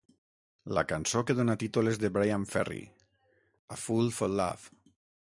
La cançó que dóna títol és de Bryan Ferry: "A Fool for Love".